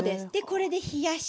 これで冷やして。